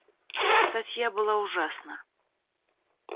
Статья была ужасна.